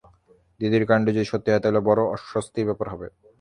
দ্বিতীয় কারণটি যদি সত্যি হয়, তাহলে বড় অস্বস্তির ব্যাপার হবে।